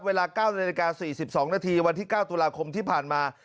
เวลา๙นาฬิกา๔๒นาทีวันที่๙ตุลาคมที่ผ่านมา